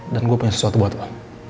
dan gue punya sesuatu buat lo